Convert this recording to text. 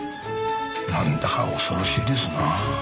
なんだか恐ろしいですな。